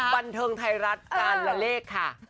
บันเทิงไทยรัฐการละเลขค่ะ